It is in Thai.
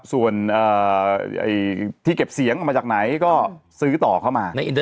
ส่วนที่เก็บเสียงออกมาจากไหนก็ซื้อต่อเข้ามา